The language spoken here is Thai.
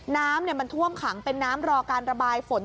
น้ำมันท่วมขังเป็นน้ำรอการระบายฝน